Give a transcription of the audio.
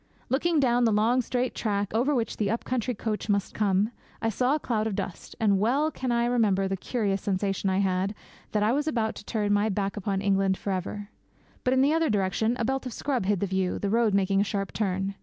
Looking down the long, straight track over which the up country coach must come, I saw a cloud of dust, and well can I remember the curious sensation I had that I was about to turn my back upon England for ever! But in the other direction a belt of scrub hid the view, the road making a sharp turn.